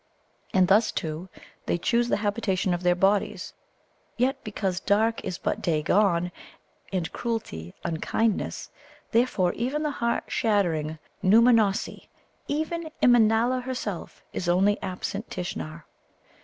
And thus, too, they choose the habitation of their bodies. Yet because dark is but day gone, and cruelty unkindness, therefore even the heart shattering Nōōmanossi, even Immanâla herself, is only absent Tishnar.